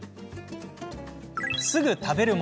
すぐ食べる。